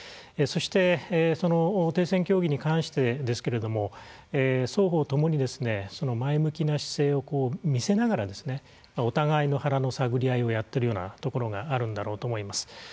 そしてその停戦協議に関してですけど双方ともに前向きな姿勢を見せながらお互いの腹の探り合いをやっているようなところがあるんだろうと思います。